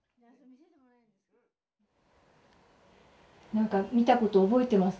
何か見たこと覚えてますか？